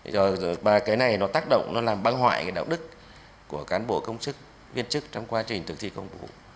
rồi và cái này nó tác động nó làm băng hoại cái đạo đức của cán bộ công chức viên chức trong quá trình thực thi công vụ